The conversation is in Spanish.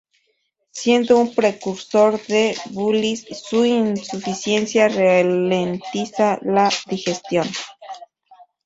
Siendo un precursor de la bilis, su insuficiencia ralentiza la digestión.